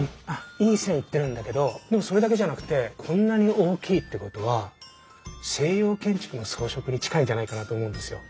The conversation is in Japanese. いい線いってるんだけどでもそれだけじゃなくてこんなに大きいってことは西洋建築の装飾に近いんじゃないかなと思うんですよ。